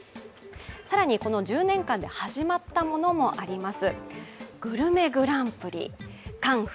更にこの１０年間で始まったものもあります。